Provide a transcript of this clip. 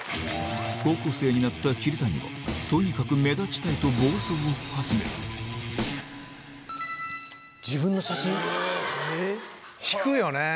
高校生になった桐谷はとにかく目立ちたいと暴走を始めるえぇ！